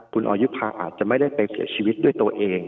คุณออยุภาอาจจะไม่ได้ไปเสียชีวิตด้วยตัวเอง